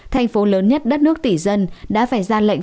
thành phố lớn nhất đất nước tỷ dân đã phải ra lệnh